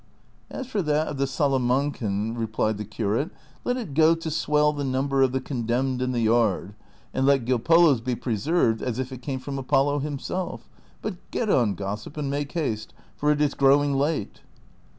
" As for that of the Salamancan," replied the curate, " let it go to swell the number of the condemned in the yard, and let Gil Polo's be preserved as if it came from Apollo himself; ^ but get on, gossip, and make haste, for it is grooving late."